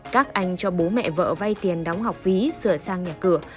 các anh cho bố mẹ vợ vay tiền đóng học phí sửa sang nhà cửa